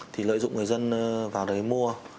thì lợi dụng người dân vào đấy mua